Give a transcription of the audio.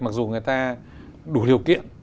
mặc dù người ta đủ hiệu kiện